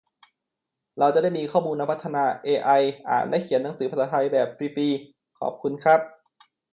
เราจะได้มีข้อมูลมาพัฒนา เอไอ อ่านและเขียนหนังสือภาษาไทยแบบฟรี ฟรี ขอบคุณครับ